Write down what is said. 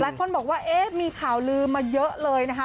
คนบอกว่าเอ๊ะมีข่าวลืมมาเยอะเลยนะคะ